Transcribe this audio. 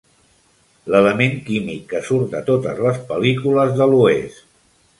L'element químic que surt a totes les pel·lícules de l'oest.